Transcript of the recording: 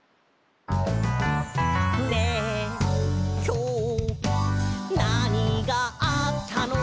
「ねえ、きょう、なにがあったの？」